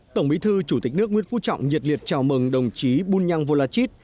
tổng bí thư chủ tịch nước nguyễn phú trọng nhiệt liệt chào mừng đồng chí bun nhang volachit